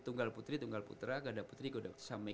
tunggal putri tunggal putra nggak ada putri nggak ada